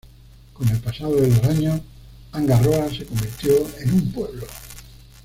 Con el paso de los años, Hanga Roa se convirtió en un pueblo.